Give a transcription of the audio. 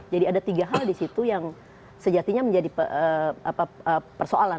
jadi ada tiga hal disitu yang sejatinya menjadi persoalan